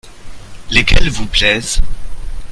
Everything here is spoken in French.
Lesquelles vous plaisent ?